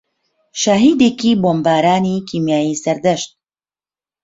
شاهێدێکی بۆمبارانی کیمیایی سەردەشت